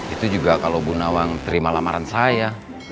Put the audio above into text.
itu juga kalau bu nawang terima lamaran saya